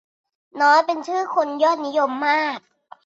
น้อยเป็นชื่อคนยอดนิยมมาก